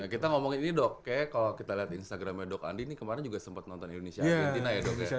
kita ngomongin ini dok kayak kalau kita lihat instagramnya dok andi ini kemarin juga sempat nonton indonesia argentina ya dok ya